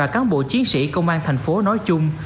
cán bộ chiến sĩ công an thành phố nói chung